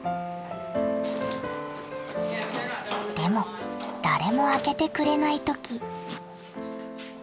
でも誰も開けてくれない時。